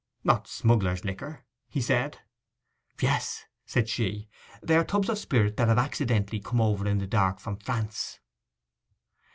'Not smugglers' liquor?' he said. 'Yes,' said she. 'They are tubs of spirit that have accidentally come over in the dark from France.